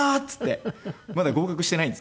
まだ合格してないんですけど。